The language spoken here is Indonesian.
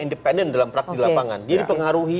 independen di lapangan dia dipengaruhi